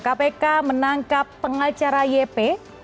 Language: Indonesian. kpk menangkap pengacara yp